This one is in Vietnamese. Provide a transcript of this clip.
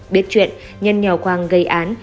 biết chuyện nhân nhờ quang gây án